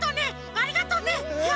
ありがとうね！